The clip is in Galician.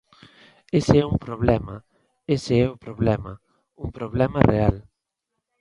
Ese é un problema, ese é o problema, un problema real.